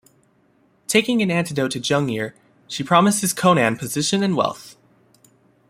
Taking an antidote to Jungir, she promises Conan position and wealth.